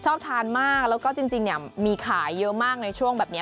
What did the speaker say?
ชอบทานมากแล้วก็จริงเนี่ยมีขายเยอะมากในช่วงแบบนี้